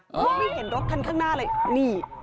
มองไม่เห็นรถคั่นข้างหน้าเลย